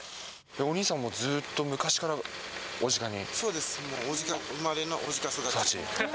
お兄さん、もうずっと昔から小値賀に？